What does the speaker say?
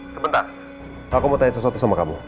sebentar aku mau tanya sesuatu sama kamu